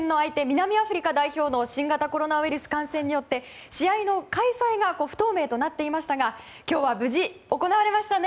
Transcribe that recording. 南アフリカ代表の新型コロナウイルス感染によって試合の開催が不透明となっていましたが今日は無事行われましたね